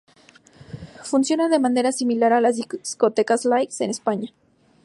Funcionan de manera similar a las "discotecas lights" en España.